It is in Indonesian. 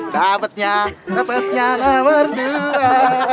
dapatnya dapatnya nomor dua